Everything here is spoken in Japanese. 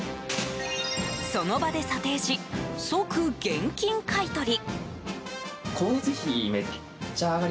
その場で査定し即、現金買い取り。